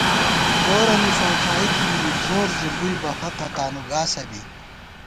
زورَنی فاڄائی تھنی زور زی بُوئی بہ حقہ تانُوگاسہ بی